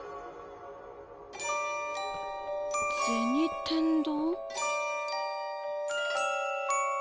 銭天堂？